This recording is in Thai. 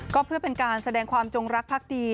ก็เพื่อเป็นการแสดงความจงรักภักดี